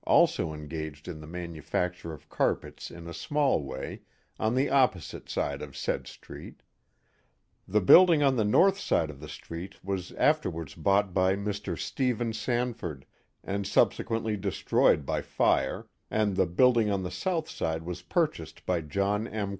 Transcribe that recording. also engaged in the manufacture of carpets in a small way on the opposite side of said street, The building on the north side of tlie street was afterwards bought by Mr. Stephen Sanford, and subsequently destroyed by fire, and the building on the south side was purchased by John M.